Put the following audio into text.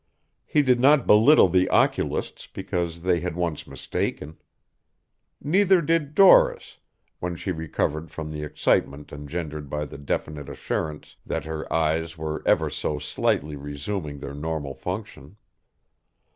He did not belittle the oculists because they had once mistaken. Neither did Doris, when she recovered from the excitement engendered by the definite assurance that her eyes were ever so slightly resuming their normal function.